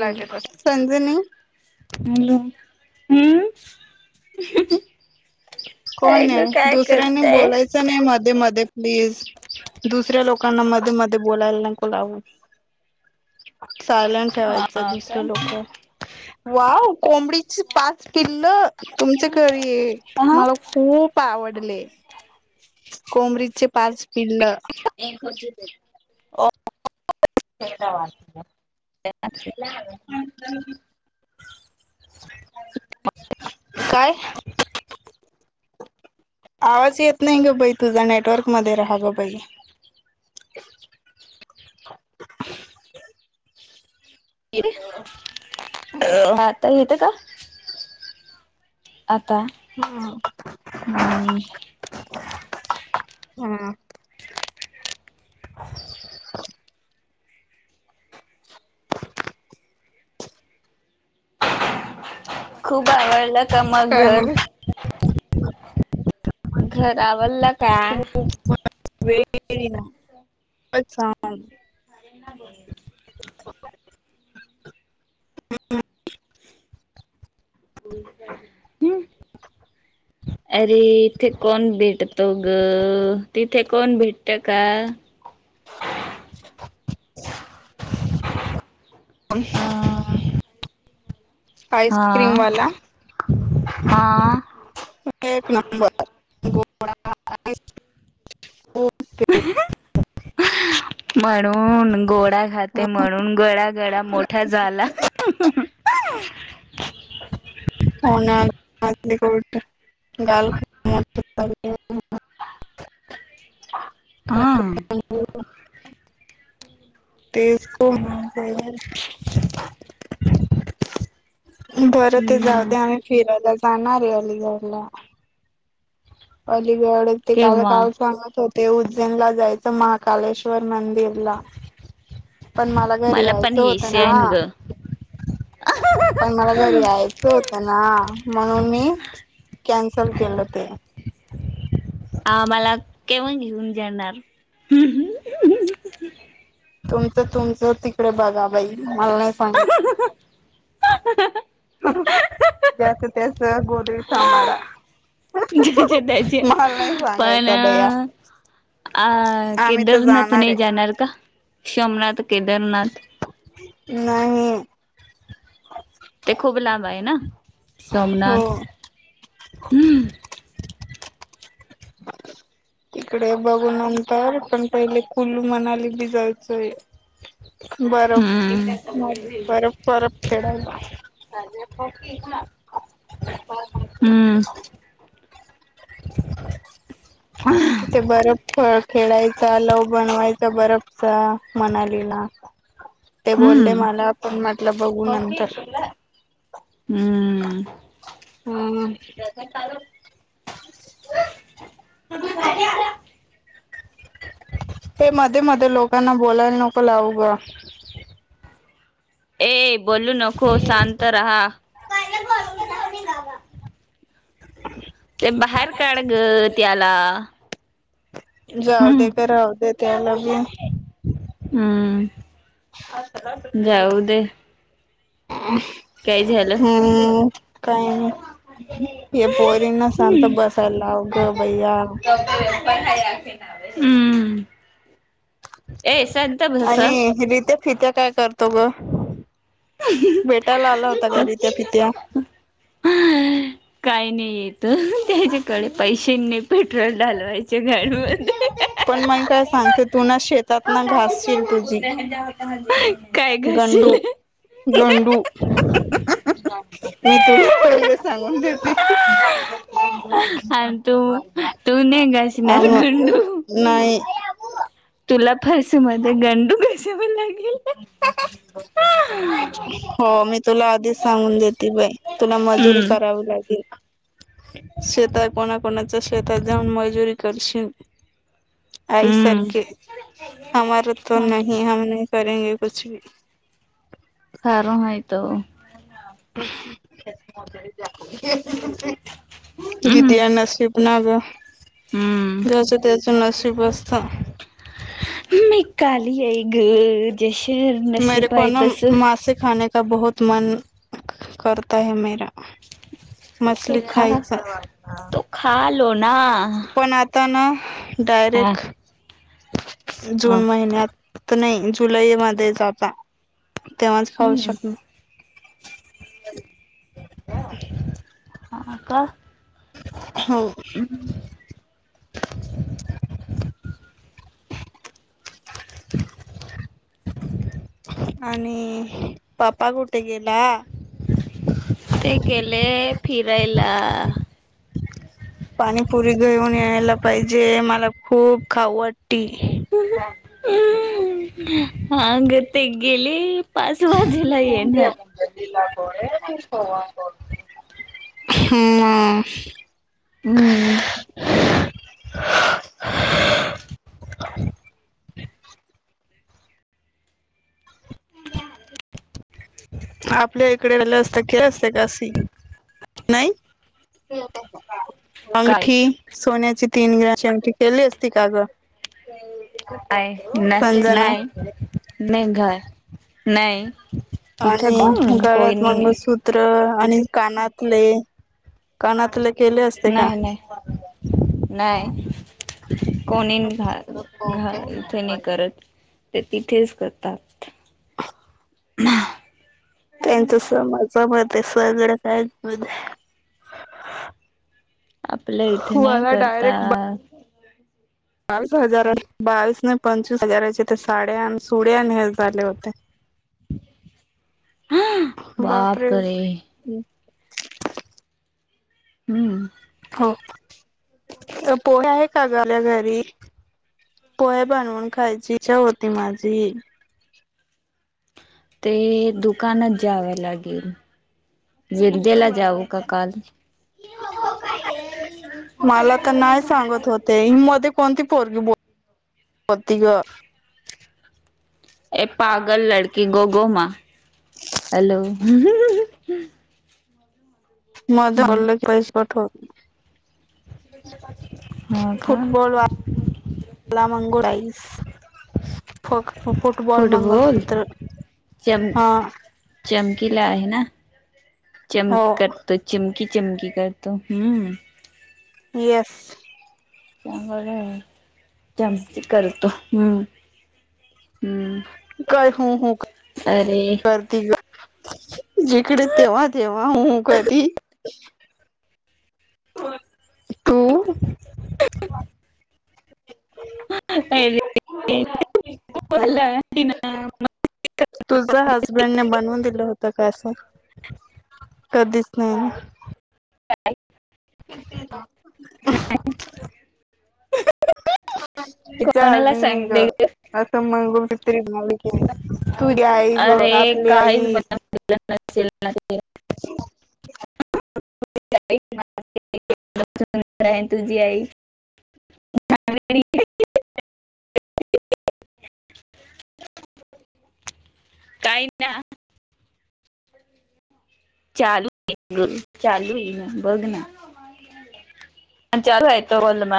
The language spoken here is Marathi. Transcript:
हम्म. संजनी हॅलो हम्म [unintelligible] हम काय कोण ग आय? काय दुसऱ्यांनी करताय? बोलायचं नाही मद् दे मध्ये प्लीज, दुसऱ्या लोकांना मधे मधे बोलायला नको लावू. सायलेंट हा ठेवायचं काय? दुसरे लोक वाव कोंबडीची पाच पिल्लं तुमच घरी येत हा खूप आवडले, कोमरीचे पाच पिल्ल [unintelligible] ओ [unintelligible] [unintelligible] लागल पण [unintelligible] काय? आवाज येत नाई ग बई तुझा, नेटवर्क मध्ये रहा ग बई [unintelligible] अ आता येत का? आता हम्म [unintelligible] हम खूप आवडलंत त काय मघर मग घराव [unintelligible] का? [unintelligible] अच्छा [unintelligible] [unintelligible] [unintelligible] [unintelligible] हम् अरे इथे कोण भेटतो ग, तिथे कोण भेटत का? आ [unintelligible] आइसक्रीम वाला हा. एक नंबर गो [unintelligible] म्हणून गोडा खाते म्हणून गळा गळा मोठा झाला. [unintelligible] हो ना [unintelligible] [unintelligible] हा [unintelligible] तेच कोण [unintelligible] बरं ते जाऊ हम्म दया, आम्ही फिरायला पाणारअलीगडला [unintelligible] ते गड ते काल केव्हा काल सांगत होत ते उज्जैनला जायचं महाकालेश्वर मंदिरला पण मला घरी पण यायचं होतं यायचे आहे ना, ग पण मला घरी यायचं होतं ना, म्हणून मी कॅन्सल केलं ते आ मला केव्ह घेऊन जाणार [unintelligible] [unintelligible] तुमचं तुमचं तिकड बघा मला नाय सांगायच ज्याच त्याच गोधडी समाडा ज्याचे त्याचे पण बया. अ आम्ही तर केदारनाथ नाई जाणार का? शोमनाथ, केदारनाथ नाही. ते खूप लांब आहे ना हो सोमनाथ. तिकडे बघू नंतर पण पहिले कुल्लू मनाली बी जायचंय बरफ हम्म बरफ वरफ खेडायला. [unintelligible] हुं [unintelligible] तिते बरंफ फळ खेळायचा लव बनवायचा बरफचा मनालीला ते बोलले हम्म मला पण म्हटलं बघू नंतर हम्म [unintelligible] ते मध्ये मध्ये लोकांना बोलायला नको लावू ग ए बोलू नको सांत रहा. ते बाहेर काढ ग त्याला जाऊ दे हम्म ग राहू दे त्याला बी हम्म [unintelligible] जाऊ दे काय झालं [unintelligible] हम् काय हे पोरींना शांत हम्म बसाला लाव ग बया? हम्म ए शांत बसा [unintelligible] काय करतो ग? भेटायला आला होता घरी त्या [unintelligible] काय नाही येत हह त्याच्याकडे पै शिन्य पेट्रोल डालवायचे गाडीत मधे पण मग काय सांगते तू ना शेतात ना घासशील तुझी ह्ह्हहहह काय घाशील? गांडु----मी तुला पहिले हाह सांगून देते. आणि तू तू नाही घासणार आम गंडू नाही तुला फास मध्ये गांडु [unintelligible] [inaudible] हो मी तुला आधीच सांगून देते बाई तुला मजुरी हम्म करावी लागेल? शेतात कोणा कोणाच्या शेतात जाऊन मजुरी करशील? हम्म [unintelligible] करेगे कुछी भी [unintelligible] [unintelligible] हम्म घेतिया नशीब ना ग हम्म जस ते [unintelligible] मी काली ये [unintelligible] [unintelligible] [unintelligible] खायचा पण आता ना [unintelligible] हा डायरेक्ट हा जून महिन्यात नाही जुलै मध्ये [unintelligible] तेव्हाच खाऊ हम्म शकणे [inaudible] ह का? हो. [inaudible] आणि -पप्पा कुठे गेला? ते गेले -फिरायला. पाणीपुरी घेऊन यायला पाहिजे, मला खूप खाऊ वाट - ती. हां ग ते गेले पाच वाजेला येणार. हम्म. हम्म. [inaudible] [inaudible] ब आपल्या इकडे आलं असत का? [unintelligible] असते कासी नाही? [unintelligible] काय अंगठी -सोन्याची- तीन ग्रॅमची अंगठी केली असती का ग? आहे, नाही संजना नाही मे [unintelligible] नाही. इथे आणि कोण कोई गळ्यात नाही मंगळसूत्र. अ आणि कानातले -कानातले- केले असते का? नाही नाही नाही कोणी घा घाल कोणी करत. तिथेच करतात. [unintelligible] त्यांचं सम सम ते सगळं काय- आपल्या इथे नाही मला डायरेक्ट करता- बावीस हजारा बावीस नाही पंचवीस हजाराचे ते साड्या न सुड्या हे झाले होते. हं बापरे! हम्म. हो- त्या पोळ्या आहे का झाल्या घरी? पोळ्या बनवून खायची इच्छा होती माझी. ते -दु- कानात जावं लागेल. जिद्देला जाऊ का काल मला तर नाही सांगत होते मध्ये कोणती पोरगी बोलली होती ग? [unintelligible] हॅलो [unintelligible] हो का [unintelligible] [unintelligible] फुटबॉल मंगलसूत्र चम हा चमकीला आहे ना? हो चमकतो चिम की चमकी करतो हम्म येस. [unintelligible] त्यांची करतो हम्म हम्म काय हो हो अरे करती ग? जिकडे तेव्हा तेव हा हू हू करती होय. तू अरे मला तुझ हजबंडने बनवून दिलं होत का असं कधीच हं [unintelligible] नाही. ग अरे काहीच बनवशील [unintelligible] तुझी आई [unintelligible] काही ना चालू चालू आहे बघ ना चालू आहे तो गलम